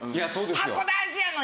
「箱大事やのに！」